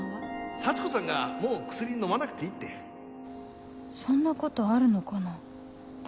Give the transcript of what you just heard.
幸子さんがもう薬飲まなくていいってそんなことあるのかな？